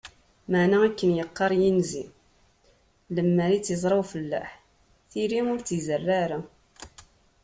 Meεna akken iqqar yinzi: limmer i tt-iẓra ufellaḥ tili ur tt-izerreɛ ara.